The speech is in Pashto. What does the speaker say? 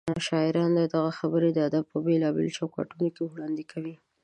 شاعران دغه خبرې د ادب په بېلابېلو چوکاټونو کې وړاندې کوي.